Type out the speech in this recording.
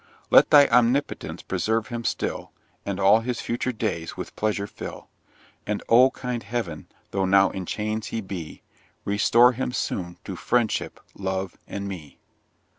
Let thy Omnipotence preserve him still, And all his future days with Pleasure fill; And oh! kind Heav'n, though now in chains he be, Restore him soon to Friendship, Love, and me.